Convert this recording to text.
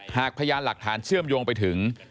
พยานหลักฐานเชื่อมโยงไปถึง